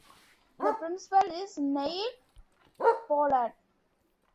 The Principal is Neil Pollard.